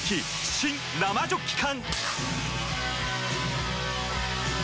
新・生ジョッキ缶！